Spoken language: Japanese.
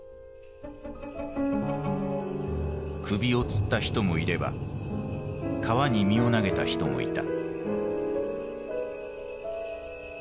首をつった人もいれば川に身を投げた人もいた。